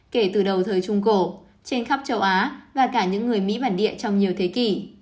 kể từ đầu thời trung cổ trên khắp châu á và cả những người mỹ bản địa trong nhiều thế kỷ